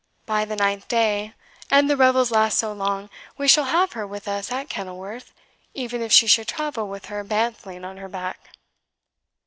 By the ninth day, an the revels last so long, we shall have her with us at Kenilworth, even if she should travel with her bantling on her back."